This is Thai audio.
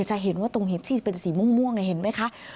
จะเห็นว่าตรงเห็ดที่เป็นสีม่วงเห็นไหมคะ